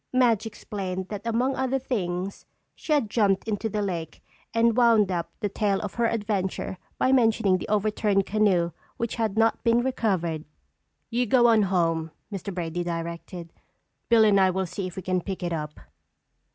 Madge explained that among other things she had jumped into the lake and wound up the tale of her adventure by mentioning the overturned canoe which had not been recovered. "You go on home," Mr. Brady directed. "Bill and I will see if we can pick it up."